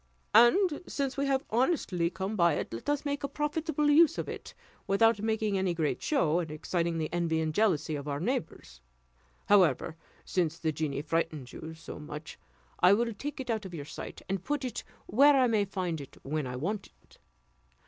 And since we have honestly come by it, let us make a profitable use of it, without making any great show, and exciting the envy and jealousy of our neighbours. However, since the genies frighten you so much, I will take it out of your sight, and put it where I may find it when I want it.